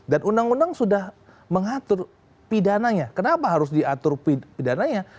undang undang sudah mengatur pidananya kenapa harus diatur pidananya